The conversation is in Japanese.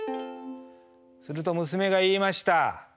すると娘が言いました。